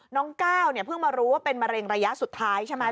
ก้าวเนี่ยเพิ่งมารู้ว่าเป็นมะเร็งระยะสุดท้ายใช่ไหม